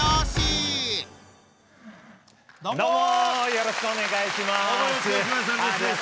よろしくお願いします。